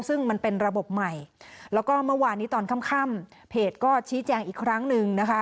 ซึ่งมันเป็นระบบใหม่แล้วก็เมื่อวานนี้ตอนค่ำเพจก็ชี้แจงอีกครั้งหนึ่งนะคะ